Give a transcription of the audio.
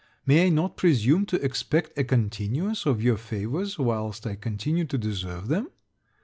May I not presume to expect a continuance of your favours whilst I continue to deserve them?